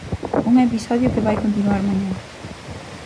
Un episodio que vai continuar mañá.